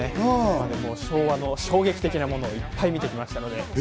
昭和の衝撃的なものをいっぱい見てきました。